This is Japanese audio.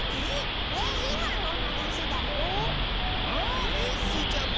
えスイちゃんも？